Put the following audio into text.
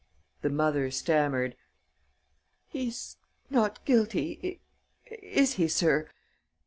The mother stammered: "He's not guilty, is he, sir?